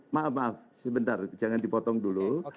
maaf maaf sebentar jangan dipotong dulu